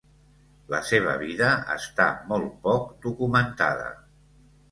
La seva vida està molt poc documentada.